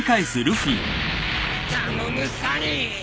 頼むサニー。